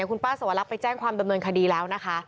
คุณป้าสวรรคไปแจ้งความดำเนินคดีแล้วนะคะ